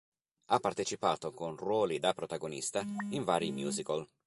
Ha partecipato, con ruoli da protagonista, in vari musical.